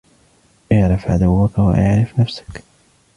إعرف عدوك وإعرف نفسك.